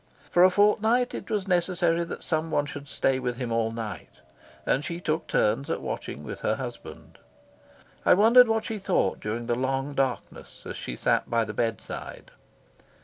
For a fortnight it was necessary that someone should stay with him all night, and she took turns at watching with her husband. I wondered what she thought during the long darkness as she sat by the bedside.